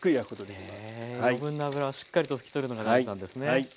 へえ余分な脂をしっかりと拭き取るのが大事なんですね。